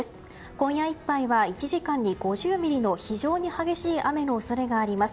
今夜いっぱいは１時間に５０ミリの非常に激しい雨の恐れがあります。